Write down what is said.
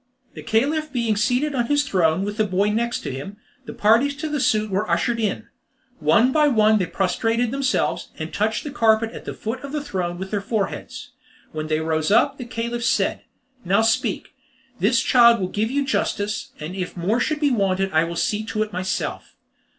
The Caliph being seated on his throne with the boy next him, the parties to the suit were ushered in. One by one they prostrated themselves, and touched the carpet at the foot of the throne with their foreheads. When they rose up, the Caliph said: "Now speak. This child will give you justice, and if more should be wanted I will see to it myself."